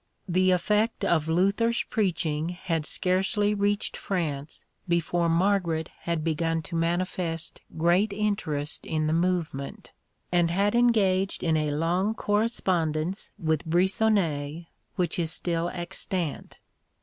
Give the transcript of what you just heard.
The effect of Luther's preaching had scarcely reached France before Margaret had begun to manifest great interest in the movement, and had engaged in a long correspondence with Briçonnet, which is still extant.